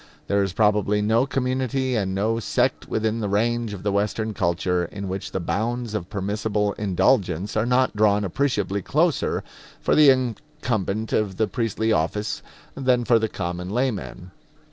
There is probably no community and no sect within the range of the Western culture in which the bounds of permissible indulgence are not drawn appreciably closer for the incumbent of the priestly office than for the common layman.